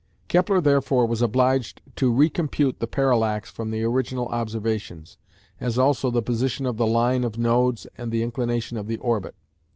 Kepler therefore was obliged to recompute the parallax from the original observations, as also the position of the line of nodes and the inclination of the orbit.